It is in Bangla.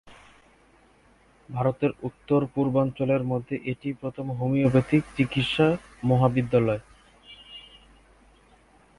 ভারতের উত্তর-পূর্বাঞ্চলের মধ্যে এটিই প্রথম হোমিওপ্যাথিক চিকিৎসা মহাবিদ্যালয।